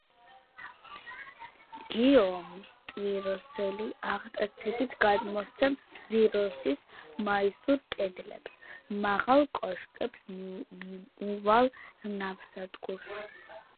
გიიომ ტვიროსელი აღტაცებით გადმოსცემს ტვიროსის მასიურ კედლებს, მაღალ კოშკებს მიუვალ ნავსადგურს.